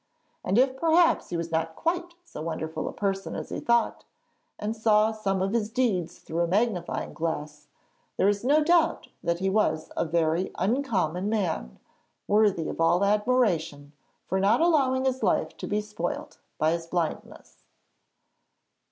And if perhaps he was not quite so wonderful a person as he thought, and saw some of his deeds through a magnifying glass, there is no doubt that he was a very uncommon man, worthy of all admiration for not allowing his life to be spoilt by his blindness.